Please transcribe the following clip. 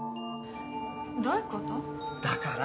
どういうこと？だから！